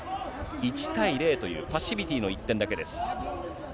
１対０というパッシビティの１点だけです。